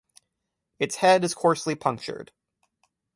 Its head is coarsely punctured.